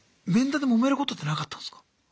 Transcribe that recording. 面談でもめることってなかったんすか？